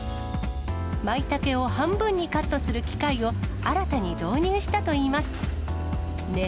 マイタケを半分にカットする機械を新たに導入したといいます。